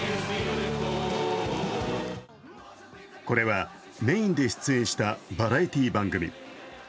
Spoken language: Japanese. これはメインで出演したバラエティー番組。